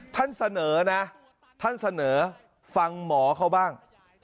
ท่านเสนอนะท่านเสนอฟังหมอเขาบ้าง